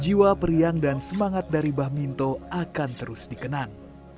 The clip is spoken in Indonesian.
jiwa periang dan semangat dari bah minto akan terus dikenang